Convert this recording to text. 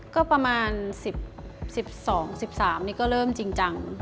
ก็ประมาณ๑๒๑๓นี่ก็เริ่มจริงจัง